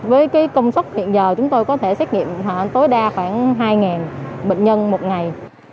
với công suất hiện giờ chúng tôi có thể xét nghiệm tối đa khoảng hai bệnh nhân một ngày